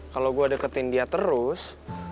kalau gue deketin dia terus